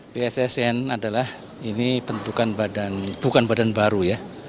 pssn adalah ini bentukan badan bukan badan baru ya